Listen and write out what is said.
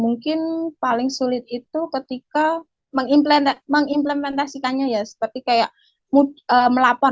mungkin paling sulit itu ketika mengimplementasikannya ya seperti kayak melapor